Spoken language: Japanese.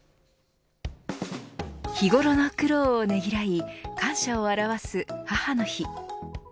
日頃の苦労をねぎらい感謝を表す母の日。